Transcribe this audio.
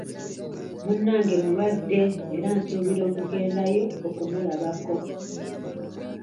Munnange mulwadde era nsuubira okugendayo okumulabako.